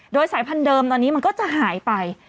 โดยสายพันธเดิมตอนนี้มันก็จะหายไป